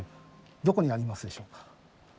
どこにありますでしょうか。